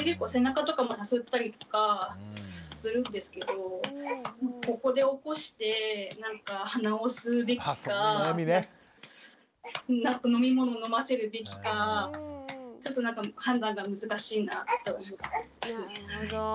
背中とかもさすったりとかするんですけどここで起こして鼻を吸うべきか何か飲み物を飲ませるべきかちょっと判断が難しいなと思いますね。